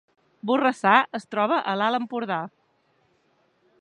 Borrassà es troba a l’Alt Empordà